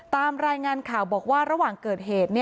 ตามรายงานข่าวบอกว่าระหว่างเกิดเหตุ